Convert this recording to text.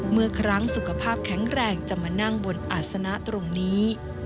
เมื่อครั้งสุขภาพแข็งแรงจะมานั่งบนอาศนะตรงนี้